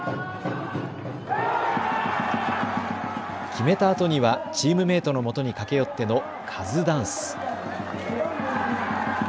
決めたあとにはチームメートのもとに駆け寄ってのカズダンス。